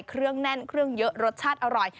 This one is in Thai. เครื่องแน่นเครื่องเยอะรสชาติอร่อย